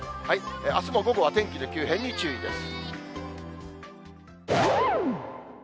あすも午後は天気の急変に注意です。